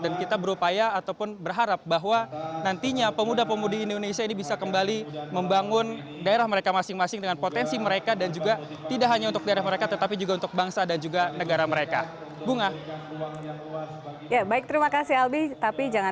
dan kita berupaya ataupun berharap bahwa nantinya pemuda pemuda di indonesia ini bisa kembali membangun daerah mereka masing masing dengan potensi mereka dan juga tidak hanya untuk daerah mereka tetapi juga untuk bangsa